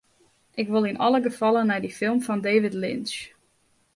Ik wol yn alle gefallen nei dy film fan David Lynch.